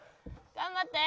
頑張って！